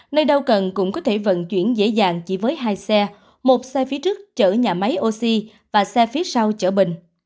nơi đâu cần cũng có thể vận chuyển dễ dàng chỉ với hai xe một xe phía trước chở nhà máy oxy và xe phía sau chở bình